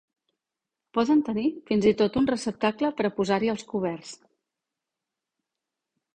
Poden tenir fins i tot un receptacle per a posar-hi els coberts.